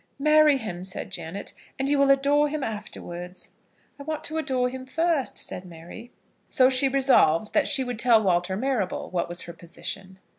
"Marry him," said Janet, "and you will adore him afterwards." "I want to adore him first," said Mary. So she resolved that she would tell Walter Marrable what was her position.